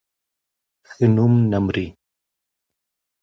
ښه نوم نه مري